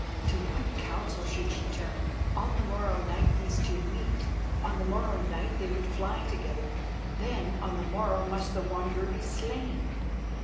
To what counsel should she turn? On the morrow night these two meet; on the morrow night they would fly together. Then on the morrow must the Wanderer be slain.